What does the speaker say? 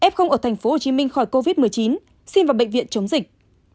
f ở tp hcm khỏi covid một mươi chín xin vào bệnh viện chống dịch